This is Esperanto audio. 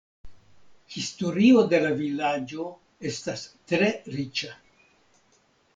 Historio de la vilaĝo estas tre riĉa.